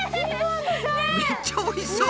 めっちゃおいしそう！